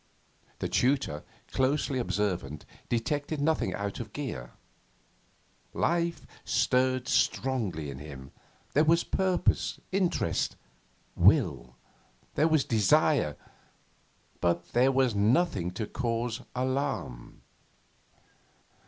The tutor, closely observant, detected nothing out of gear; life stirred strongly in him; there was purpose, interest, will; there was desire; but there was nothing to cause alarm.